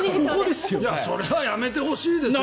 それはやめてほしいですね。